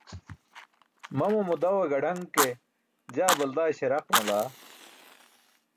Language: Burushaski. Mamamo daw gaḍaṅ ke, jaa balda śardaq nalaa.